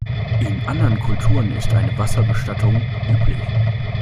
In anderen Kulturen ist eine Wasserbestattung üblich.